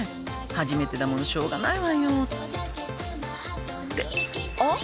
「初めてだものしょうがないわよ」「ってあっ！」